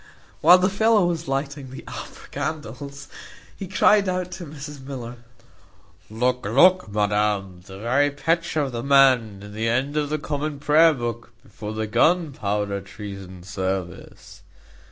While the fellow was lighting the upper candles, he cried out to Mrs Miller, "Look, look, madam, the very picture of the man in the end of the common prayer book before the gunpowder treason service."